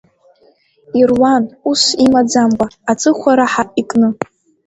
Ируан усс иамаӡамкәа, аҵыхәа раҳа икны.